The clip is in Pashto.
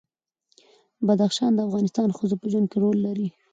بدخشان د افغان ښځو په ژوند کې رول لري.